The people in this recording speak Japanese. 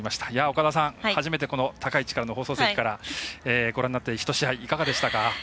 岡田さん、初めて高い位置の放送席からご覧になってひと試合いかがでしたか？